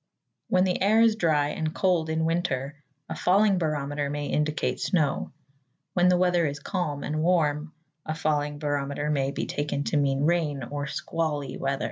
When the air is dry and cold in winter a falling barometer may indicate snow. When the weather is calm and warm, a falling barometer may be taken to mean rain or squally weather.